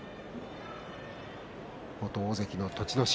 元大関の栃ノ心